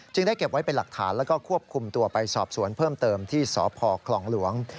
ได้เก็บไว้เป็นหลักฐานแล้วก็ควบคุมตัวไปสอบสวนเพิ่มเติมที่สพคลองหลวง